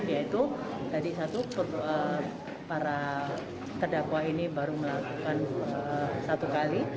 yaitu tadi satu para terdakwa ini baru melakukan satu kali